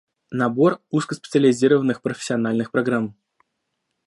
Набор узкоспециализированных профессиональных программ